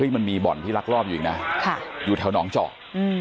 มันมีบ่อนที่ลักลอบอยู่อีกนะอยู่แถวหนองเจาะ